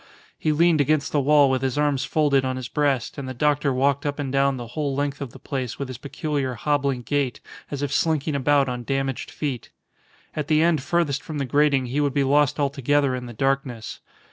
He leaned against the wall with his arms folded on his breast, and the doctor walked up and down the whole length of the place with his peculiar hobbling gait, as if slinking about on damaged feet. At the end furthest from the grating he would be lost altogether in the darkness.